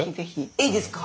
いいですか？